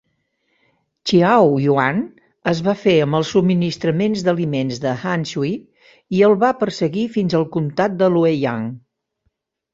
Xiahou Yuan es va fer amb els subministraments d'aliments d'Han Sui i el va perseguir fins al comtat de Lueyang.